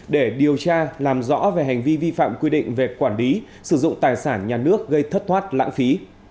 để điều tra làm rõ về hành vi vi phạm quy định về quản lý sử dụng tài sản nhà nước gây thất thoát lãng phí